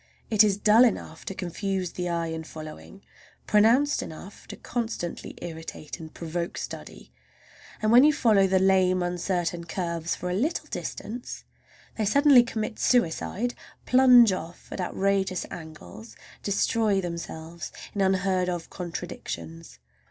It is dull enough to confuse the eye in following, pronounced enough to constantly irritate, and provoke study, and when you follow the lame, uncertain curves for a little distance they suddenly commit suicide—plunge off at outrageous angles, destroy themselves in unheard of contradictions.